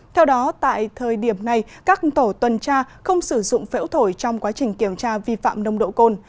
theo đó tại thời điểm này các tổ tuần tra không sử dụng phễu thổi trong quá trình kiểm tra vi phạm nông độ cồn